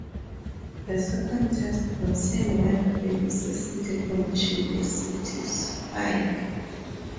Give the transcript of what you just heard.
The second test concerns whether the "necessity condition" is satisfied.